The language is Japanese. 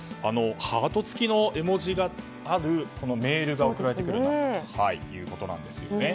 ハートの絵文字があるメールが送られてくるということなんですね。